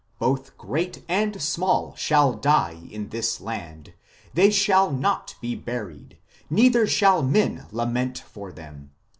... Both great and small shall die in this land : they shall not be buried, neither shall men lament for them.